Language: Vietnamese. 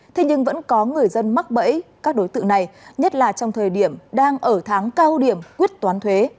thế nhưng vẫn có người dân mắc bẫy các đối tượng này nhất là trong thời điểm đang ở tháng cao điểm quyết toán thuế